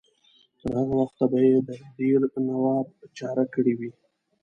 تر هغه وخته به یې د دیر نواب چاره کړې وي.